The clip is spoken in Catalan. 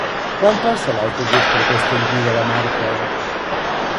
Quan passa l'autobús per Castellví de la Marca?